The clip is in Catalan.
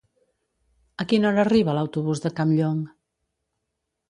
A quina hora arriba l'autobús de Campllong?